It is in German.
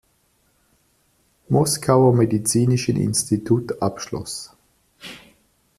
Moskauer Medizinischen Institut abschloss.